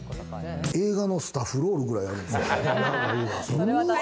映画のスタッフロールくらいあるんですよ。